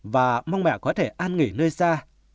và mong mẹ có thể an nghỉ nơi xa